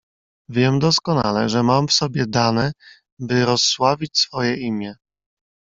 "Wiem doskonale, że mam w sobie dane, by rozsławić swoje imię."